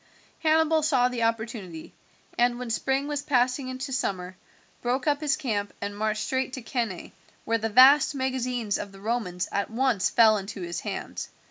Hannibal saw the opportunity, and when spring was passing into summer broke up his camp and marched straight to Cannae, where the vast magazines of the Romans at once fell into his hands.